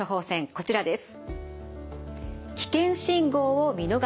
こちらです。